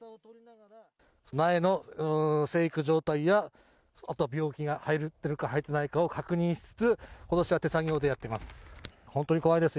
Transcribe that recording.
前の生育状態やあとは病気が入っているか入ってないかを確認しつつ、ことしは手作業でやっています。